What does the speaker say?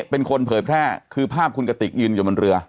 เป็นคนเผยแพร่คือภาพคุณกติกยืนอยู่บนเรือ